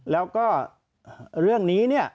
แล้วก็เรื่องนี้เนี่ย